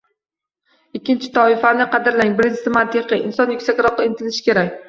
Ikkinchi toifani qadrlang, birinchisi mantiqiy: inson yuksakroqqa intilishi kerak.